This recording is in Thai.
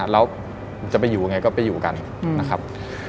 แล้วจะไปอยู่ยังไงก็ไปอยู่กันนะครับ